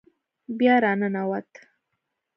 بیا را ننوت.